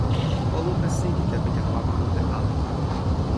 o luka sike kepeken wawa mute ala.